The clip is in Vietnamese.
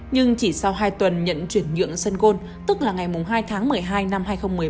nhưng chỉ sau hai tuần nhận chuyển nhượng sân gôn tức là ngày hai tháng một mươi hai năm hai nghìn một mươi bảy